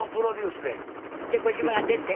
でご自分が出て？